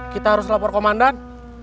kita harus lapor komandan